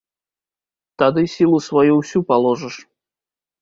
Тады сілу сваю ўсю паложыш.